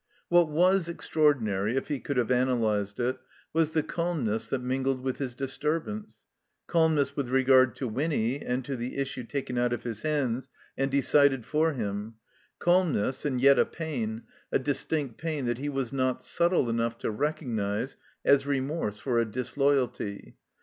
What was extraordinary, if he could have analyzed it, was the calmness that mingled with his disturb ance. Calmness with regard to Winny and to the issue taken out of his hands and decided for him; calmness, and yet a pain, a distinct pain that he was not subtle enough to recognize as remorse for a disloyalty.